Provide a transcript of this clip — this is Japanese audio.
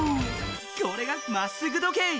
これが「まっすぐ時計」。